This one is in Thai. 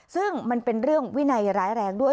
ซึ่งมันเป็นเรื่องวินัยร้ายแรงด้วย